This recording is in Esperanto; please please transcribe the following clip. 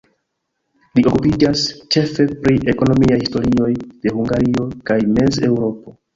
Li okupiĝas ĉefe pri ekonomiaj historioj de Hungario kaj Mez-Eŭropo.